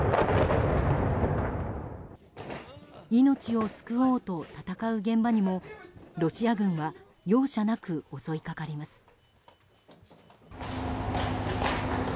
命を救おうと闘う現場にもロシア軍は容赦なく襲いかかります。